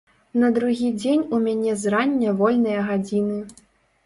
На другі дзень у мяне зрання вольныя гадзіны.